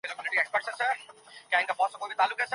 کانګارو 🦘